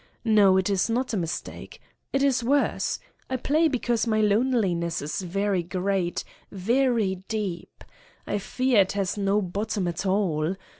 No, it is not a mistake. It is worse. I play because my loneliness is very great, very deep I fear, it has no bottom at all!